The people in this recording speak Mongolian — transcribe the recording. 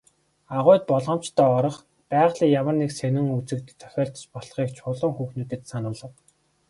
Агуйд болгоомжтой орох, байгалийн ямар нэгэн сонин үзэгдэл тохиолдож болохыг Чулуун хүүхдүүдэд сануулав.